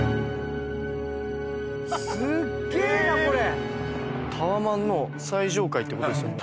すっげえなこれ！